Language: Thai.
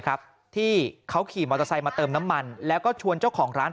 ครับที่เขาขี่มอเตอร์ไซค์มาเติมน้ำมันแล้วก็ชวนเจ้าของร้าน